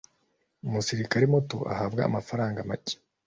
Umusirikare Muto ahabwa amafaranga macye